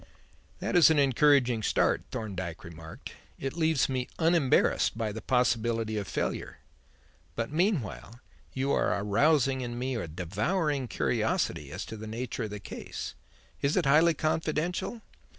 "That is an encouraging start," Thorndyke remarked. "It leaves me unembarrassed by the possibility of failure. But meanwhile you are arousing in me a devouring curiosity as to the nature of the case. Is it highly confidential?